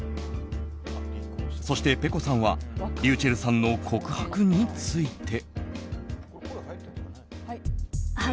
そして、ｐｅｃｏさんはｒｙｕｃｈｅｌｌさんの告白について。